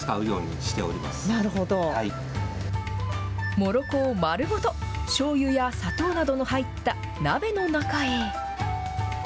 もろこを丸ごと、しょうゆや砂糖などの入った鍋の中へ。